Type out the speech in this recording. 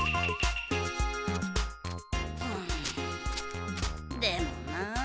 うんでもなあ。